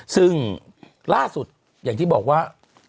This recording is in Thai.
ซึ่งล่าสุดอย่างที่บอกว่า